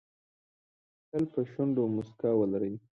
تل په شونډو موسکا ولره .